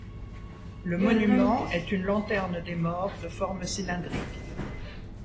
Le monument est une lanterne des morts de forme cylindrique.